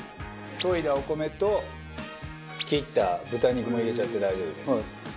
といだお米と切った豚肉も入れちゃって大丈夫です。